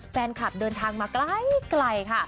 แฟนคลับเดินทางมาไกลค่ะ